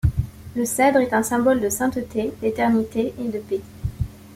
Le cèdre est un symbole de sainteté, d'éternité et de paix.